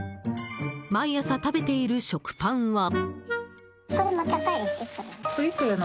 毎朝食べている食パンは。